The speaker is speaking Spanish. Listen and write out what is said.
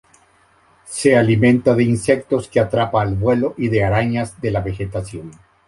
Se alimenta de insectos que atrapa al vuelo y de arañas de la vegetación.